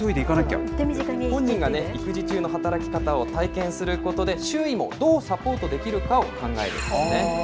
本人が育児中の働き方を体験することで、周囲もどうサポートできるかを考えるんですね。